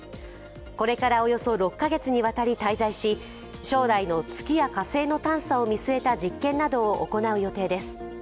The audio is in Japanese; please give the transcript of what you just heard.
これからおよそ６か月にわたり滞在し将来の月や火星の探査を見据えた実験などを行う予定です。